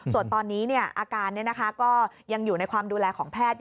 ส่วนตอนนี้เนี่ยอาการเนี่ยนะคะก็ยังอยู่ในความดูแลของแพทย์